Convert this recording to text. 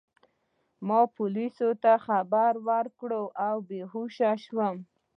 ما پولیسو ته خبر ورکړ او بې هوښه شوم.